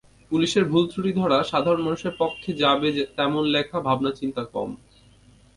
পুলিশের ভুলত্রুটি ধরা, সাধারণ মানুষের পক্ষে যাবে তেমন লেখা, ভাবনাচিন্তা কম।